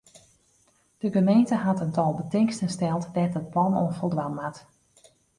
De gemeente hat in tal betingsten steld dêr't it plan oan foldwaan moat.